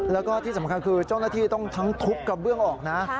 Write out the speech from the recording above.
แล้วก็ที่สำคัญคือเจ้าหน้าที่ต้องทั้งทุบกระเบื้องออกนะ